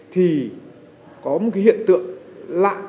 thì có một cái hiện tượng lạ